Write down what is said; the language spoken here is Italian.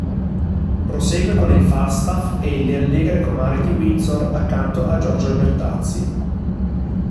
Prosegue con il Falstaff e Le allegre comari di Windsor accanto a Giorgio Albertazzi.